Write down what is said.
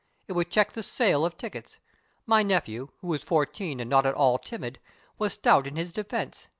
It would check the sale of tickets. My nephew, who is fourteen and not at all timid, was stout in its defense.